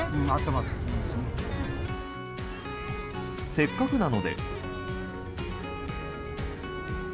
せっかくなので。